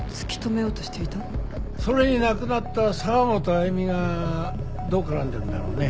それに亡くなった澤本歩美がどう絡んでるんだろうね。